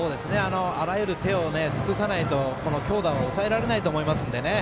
あらゆる手を尽くさないとこの強打を抑えられないと思いますのでね。